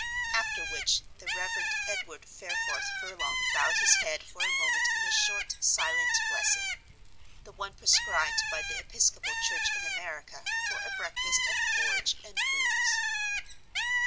After which the Reverend Edward Fareforth Furlong bowed his head for a moment in a short, silent blessing the one prescribed by the episcopal church in America for a breakfast of porridge and prunes.